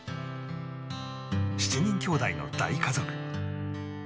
７人きょうだいの大家族。